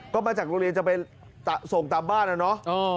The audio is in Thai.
ก็มาจากโรงเรียนจะไปส่งตามบ้านนะเนาะ